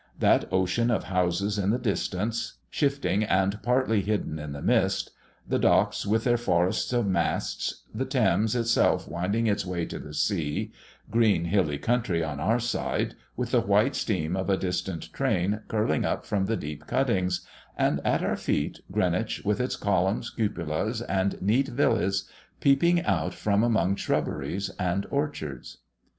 That ocean of houses in the distance, shifting and partly hidden in the mist; the docks with their forests of masts, the Thames itself winding its way to the sea, green, hilly country on our side, with the white steam of a distant train curling up from the deep cuttings; and at our feet, Greenwich with its columns, cupolas, and neat villas peeping out from among shrubberies and orchards.